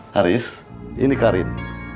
haris ini karin